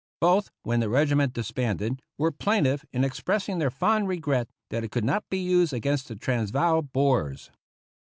Both, when the reg iment disbanded, were plaintive in expressing their fond regret that it could not be used against the Transvaal Boers